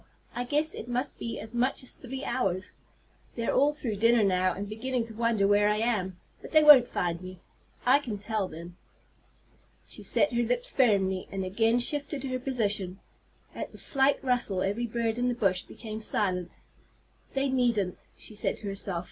I guess it must be as much as three hours. They're all through dinner now, and beginning to wonder where I am. But they won't find me, I can tell them!" She set her lips firmly, and again shifted her position. At the slight rustle every bird in the bush became silent. "They needn't," she said to herself.